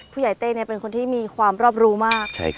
ผู้ใหญ่เต้เนี่ยเป็นคนที่มีความรอบรู้มากใช่ครับ